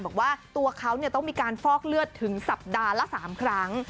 บอกว่าตัวเขาต้องมีการฟอกเลือดถึงสัปดาห์ละ๓ครั้ง